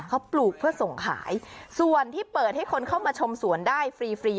เขาปลูกเพื่อส่งขายส่วนที่เปิดให้คนเข้ามาชมสวนได้ฟรีฟรี